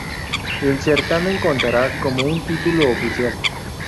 El certamen contará como un título oficial.